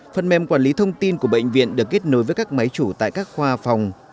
phần mềm quản lý thông tin của bệnh viện được kết nối với các máy chủ tại các khoa phòng